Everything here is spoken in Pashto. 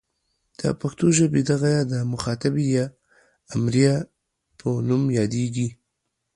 د پښتو ژبې دغه ئ د مخاطبې او یا امریه په نوم یادیږي.